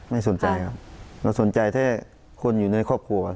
ไม่สนใจครับเราสนใจแค่คนอยู่ในครอบครัว